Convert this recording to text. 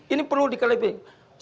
ini perlu dikelilingi